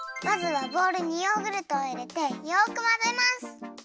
まずはボウルにヨーグルトをいれてよくまぜます。